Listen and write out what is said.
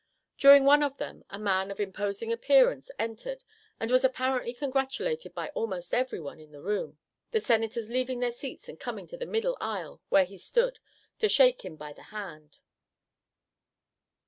During one of them a man of imposing appearance entered and was apparently congratulated by almost every one in the room, the Senators leaving their seats and coming to the middle aisle, where he stood, to shake him by the hand.